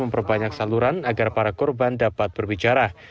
memperbanyak saluran agar para korban dapat berbicara